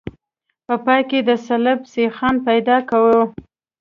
په پای کې د سلب سیخان پیدا کوو